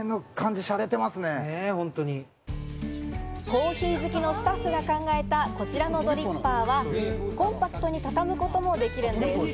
コーヒー好きのスタッフが考えたこちらのドリッパーはコンパクトにたたむこともできるんです。